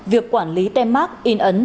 việc quản lý tem mát in out